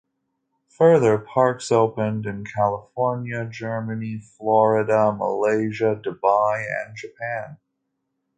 Further parks opened in California, Germany, Florida, Malaysia, Dubai and Japan.